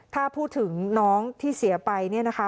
ถ้าพูดถึงน้องที่เสียไปเนี่ยนะคะ